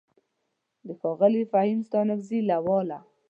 د ښاغلي فهيم ستانکزي له واله: